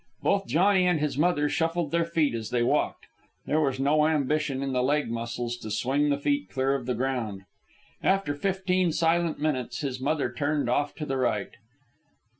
Both Johnny and his mother shuffled their feet as they walked. There was no ambition in the leg muscles to swing the feet clear of the ground. After fifteen silent minutes, his mother turned off to the right.